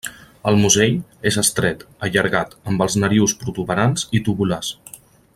El musell és estret, allargat, amb els narius protuberants i tubulars.